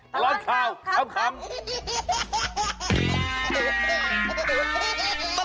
ตลอดข่าวขำ